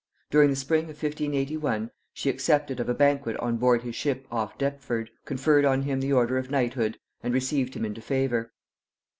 During the spring of 1581 she accepted of a banquet on board his ship off Deptford, conferred on him the order of knighthood, and received him into favor.